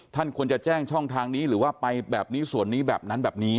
ท่านควรจะแจ้งช่องทางนี้หรือว่าไปแบบนี้ส่วนนี้แบบนั้นแบบนี้